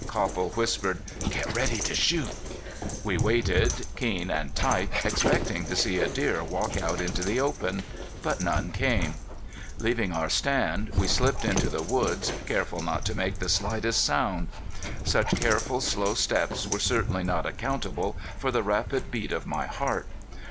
Copple whispered: "Get ready to shoot." We waited, keen and tight, expecting to see a deer walk out into the open. But none came. Leaving our stand we slipped into the woods, careful not to make the slightest sound. Such careful, slow steps were certainly not accountable for the rapid beat of my heart.